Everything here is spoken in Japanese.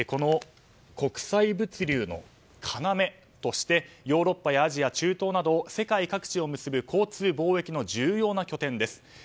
国際物流の要としてヨーロッパやアジア、中東など世界各地を結ぶ交通・貿易の重要な拠点です。